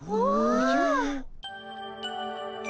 おじゃ。